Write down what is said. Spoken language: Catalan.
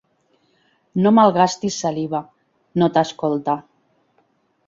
No malgastis saliva: no t'escolta.